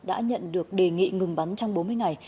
đã nhận được đề nghị ngừng bắn trong bốn mươi ngày